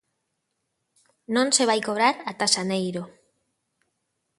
Non se vai cobrar ata xaneiro.